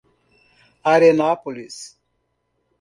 Arenápolis